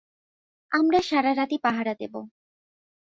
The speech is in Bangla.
আমরা সারারাতই পাহারা দেবো।